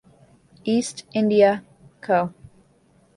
East India Co.